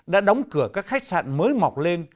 đã đóng cửa các khách sạn mới mọc lên